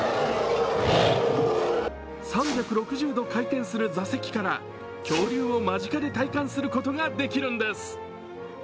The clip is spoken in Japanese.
３６０度回転する座席から恐竜を間近で体感することができるんです。